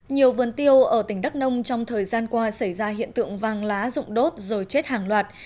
nhiều vườn tiêu ở tỉnh đắk nông trong thời gian qua xảy ra hiện tượng vàng lá rụng đốt rồi chết hàng loạt